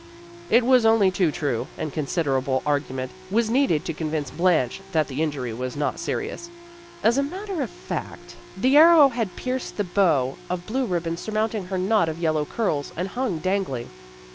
It was only too true, and considerable argu ment was needed to convince Blanche that the injury was not serious. As a matter of fact, the arrow had pierced the bow of blue ribbon surmounting her knot of yellow curls, and hung dangling.